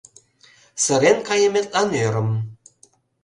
Сырен кайыметлан ӧрым.